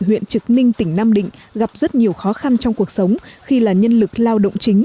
huyện trực ninh tỉnh nam định gặp rất nhiều khó khăn trong cuộc sống khi là nhân lực lao động chính